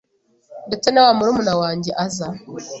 ndetse na wa murumuna wanjye aza